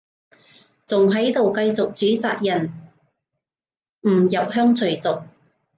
仲喺度繼續指責人唔入鄉隨俗